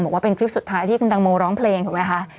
บอกว่าเป็นคลิปสุดท้ายที่คุณตังโมร้องเพลงถูกไหมคะ